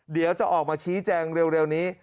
เดี๋ยวจะออกมาชี้แจงเร็วนี้